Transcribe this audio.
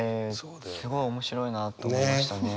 すごい面白いなと思いましたね。